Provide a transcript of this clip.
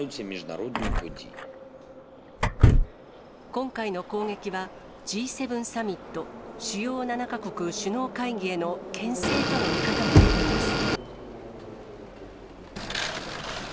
今回の攻撃は、Ｇ７サミット・主要７か国首脳会議へのけん制との見方も出ています。